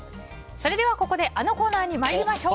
それではここであのコーナーに参りましょう。